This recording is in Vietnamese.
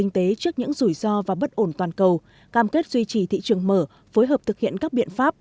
trước những rủi ro và bất ổn toàn cầu cam kết duy trì thị trường mở phối hợp thực hiện các biện pháp